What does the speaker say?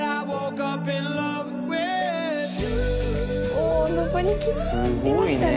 お昇りきりましたね。